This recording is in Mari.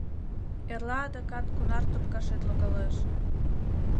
— Эрла адакат кунар топкашет логалеш...